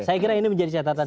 saya kira ini menjadi catatan